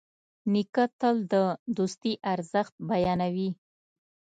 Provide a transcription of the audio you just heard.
نیکه تل د دوستي ارزښت بیانوي.